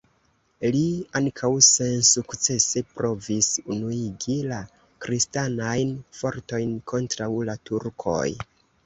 Li ankaŭ sensukcese provis unuigi la kristanajn fortojn kontraŭ la Turkoj.